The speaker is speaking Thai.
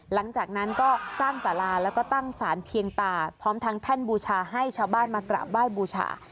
หลังจากนั้นก็สร้างสาราแล้วก็ตั้งสารเพียงตาพร้อมทางแท่นบูชาให้ชาวบ้านมากราบไหว้บูชา